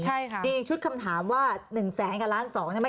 ใช่ค่ะทีนี้ชุดคำถามว่าหนึ่งแสนกับล้านสองเนี้ย